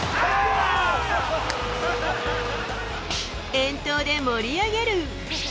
遠投で盛り上げる。